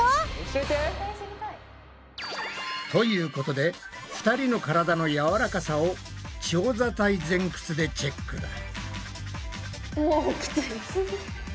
教えて！ということで２人のからだのやわらかさを長座体前屈でチェックだ。